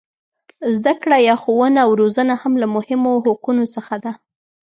زده کړه یا ښوونه او روزنه هم له مهمو حقونو څخه ده.